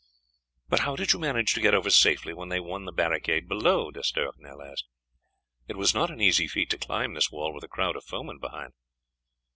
"But how did you manage to get over safely when they won the barricade below?" D'Estournel asked; "it was not an easy feat to climb this wall with a crowd of foemen behind."